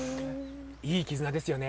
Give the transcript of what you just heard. いい絆ですよね。